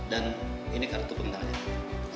dan ini kartu pembentangannya